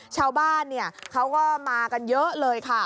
ชาวบ้านเขาก็มากันเยอะเลยค่ะ